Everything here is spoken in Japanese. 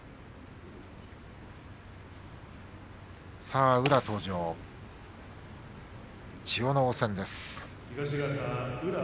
さあ宇良、登場千代ノ皇戦です。